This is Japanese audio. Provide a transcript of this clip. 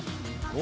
お！